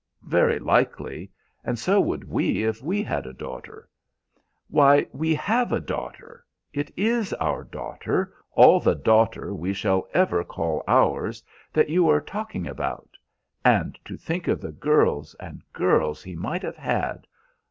"Very likely, and so would we if we had a daughter" "Why, we have a daughter! It is our daughter, all the daughter we shall ever call ours, that you are talking about. And to think of the girls and girls he might have had!